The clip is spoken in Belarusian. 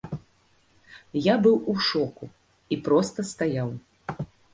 Я быў у шоку і проста стаяў.